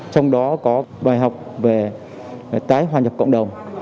trong đó có bài học về tái hòa nhập cộng đồng